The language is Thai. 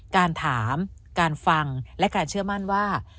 การถามการฟังและการเชื่อมั่นว่า